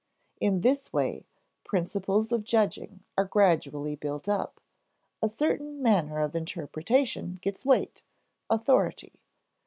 In this way, principles of judging are gradually built up; a certain manner of interpretation gets weight, authority.